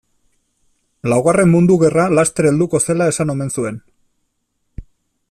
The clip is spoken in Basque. Laugarren mundu gerra laster helduko zela esan omen zuen.